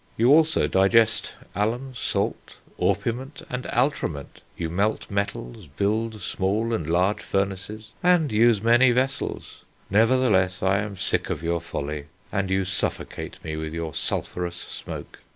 You also digest alum, salt, orpiment, and altrament; you melt metals, build small and large furnaces, and use many vessels; nevertheless I am sick of your folly, and you suffocate me with your sulphurous smoke....